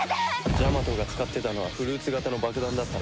ジャマトが使ってたのはフルーツ形の爆弾だったな。